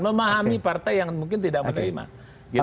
memahami partai yang mungkin tidak menerima